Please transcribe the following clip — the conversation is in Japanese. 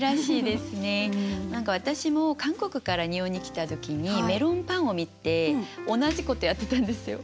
何か私も韓国から日本に来た時にメロンパンを見て同じことやってたんですよ。